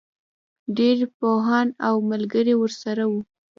ډېری پوهان او ملګري ورسره وو.